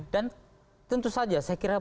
dan tentu saja saya kira